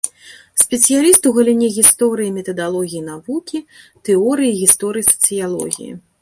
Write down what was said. Спецыяліст у галіне гісторыі і метадалогіі навукі, тэорыі і гісторыі сацыялогіі.